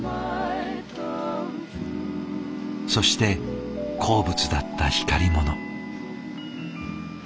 そして好物だった光り物。